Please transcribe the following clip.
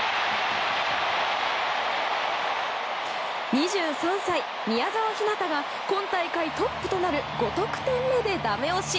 ２３歳、宮澤ひなたが今大会トップとなる５得点目でダメ押し。